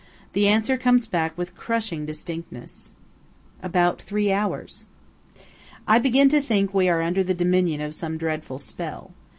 The answer comes back with crushing distinctness:– "About three hours." I begin to think we are under the dominion of some dreadful spell.